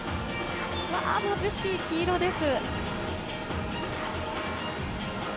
まぶしい黄色です。